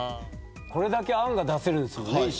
これだけ案が出せるんだもんね。